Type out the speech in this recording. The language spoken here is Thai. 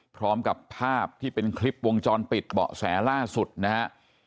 พร้อมกับภาพที่เป็นคลิปวงจรปิดเบาะแสล่าสุดนะฮะ